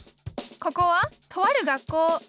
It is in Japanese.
ここはとある学校。